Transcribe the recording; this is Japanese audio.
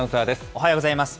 おはようございます。